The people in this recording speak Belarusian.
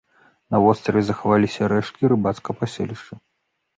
На востраве захаваліся рэшткі рыбацкага паселішча.